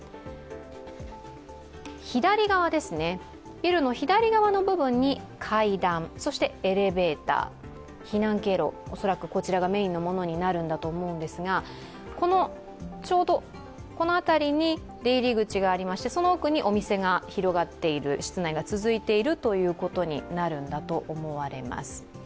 ビルの左側の部分に階段、そしてエレベーター、避難経路、恐らくこちらがメインのものになると思うんですがちょうどこの辺りに出入り口がありましてその奥にお店が広がっている、室内が続いているということになるんだと思われます。